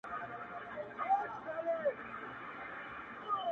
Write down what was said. سیاه پوسي ده، جنگ دی جدل دی,